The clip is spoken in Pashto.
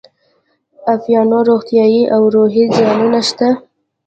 د اپینو روغتیایي او روحي زیانونه شته.